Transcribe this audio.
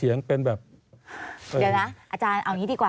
เดี๋ยวนะอาจารย์เอางี้ดีกว่า